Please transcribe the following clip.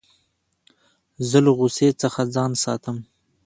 زه له غوسې څخه ځان ساتم.